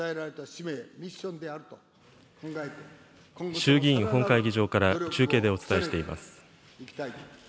衆議院本会議場から中継でお伝えしています。